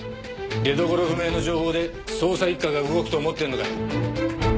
出どころ不明の情報で捜査一課が動くと思ってるのか？